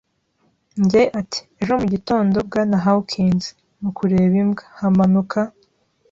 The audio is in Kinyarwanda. njye, ati: "Ejo mu gitondo, Bwana Hawkins," mu kureba imbwa, hamanuka